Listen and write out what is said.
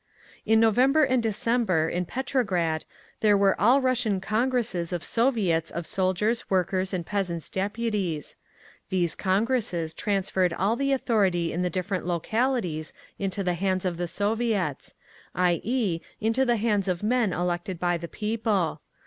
"In November and December in Petrograd there were All Russian Congresses of Soviets of Soldiers', Workers', and Peasants' Deputies. These Congresses transferred all the authority in the different localities into the hands of the Soviets, i.e., into the hands of men elected by the People.